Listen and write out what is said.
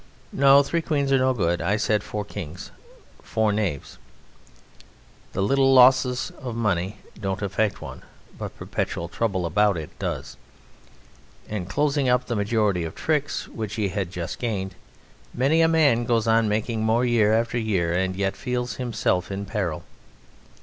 No, three queens are no good. I said four kings.... four knaves.... The little losses of money don't affect one, but perpetual trouble about it does, and" (closing up the majority of tricks which he had just gained) "many a man goes on making more year after year and yet feels himself in peril....